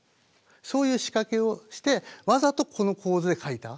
そういう仕掛けをしてわざとこの構図で描いた。